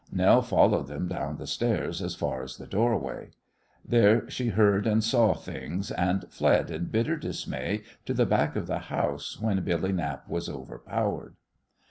Nell followed them down the stairs as far as the doorway. There she heard and saw things, and fled in bitter dismay to the back of the house when Billy Knapp was overpowered.